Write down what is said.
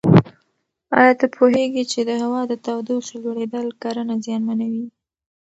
ایا ته پوهېږې چې د هوا د تودوخې لوړېدل کرنه زیانمنوي؟